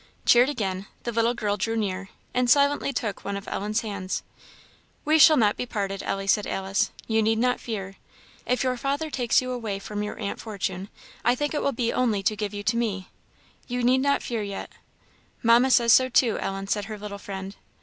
Cheered again, the little girl drew near, and silently took one of Ellen's hands. "We shall not be parted, Ellie," said Alice "you need not fear. If your father takes you away from your aunt Fortune, I think it will be only to give you to me. You need not fear yet." "Mamma says so too, Ellen," said her little friend.